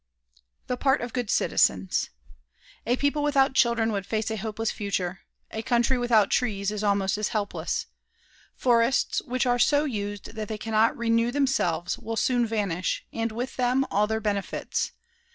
"THE PART OF GOOD CITIZENS" A people without children would face a hopeless future; a country without trees is almost as helpless; forests which are so used that they cannot renew themselves will soon vanish, and with them all their benefits.